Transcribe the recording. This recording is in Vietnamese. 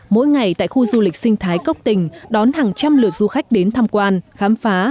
mỗi ngày tại khu du lịch sinh thái cốc tình đón hàng trăm lượt du khách đến tham quan khám phá